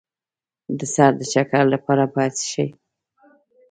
د سر د چکر لپاره باید څه شی وڅښم؟